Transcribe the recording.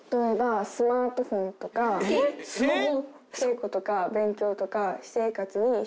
えっスマホ？